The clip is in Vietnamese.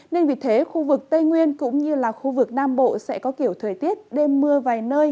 nên vì thế khu vực tây nguyên cũng như là khu vực nam bộ sẽ có kiểu thời tiết đêm mưa vài nơi